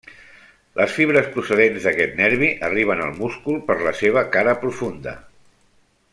Les fibres procedents d'aquest nervi arriben al múscul per la seva cara profunda.